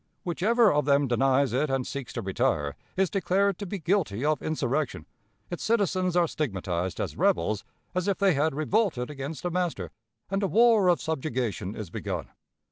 Whichever of them denies it and seeks to retire, is declared to be guilty of insurrection, its citizens are stigmatized as "rebels," as if they had revolted against a master, and a war of subjugation is begun.